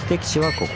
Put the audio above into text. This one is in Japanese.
ここ？